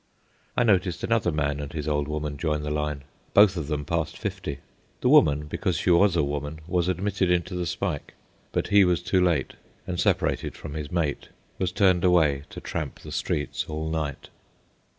I noticed another man and his old woman join the line, both of them past fifty. The woman, because she was a woman, was admitted into the spike; but he was too late, and, separated from his mate, was turned away to tramp the streets all night.